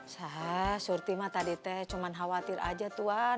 saya surti mah tadi teh cuman khawatir aja tuhan